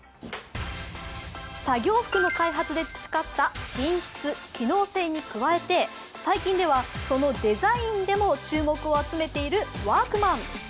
作業服の開発で培った品質・機能性に加えて、最近では、そのデザインでも注目を集めているワークマン。